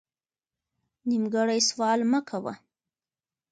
نیمګړی سوال مه کوه